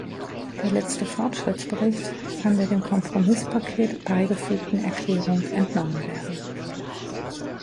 Der letzte Fortschrittsbericht kann der dem Kompromisspaket beigefügten Erklärung entnommen werden.